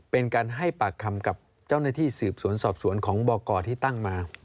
เป็นการให้ปากคำกับเจ้าหน้าที่สืบสวนสอบสวนของบกที่ตั้งมา